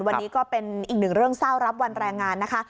วันนี้ก็เป็นอีกหนึ่งเรื่องเศร้ารับวันแรงงานนะคะ